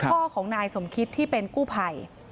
พ่อของนายสมคิตที่เป็นกู้ภัย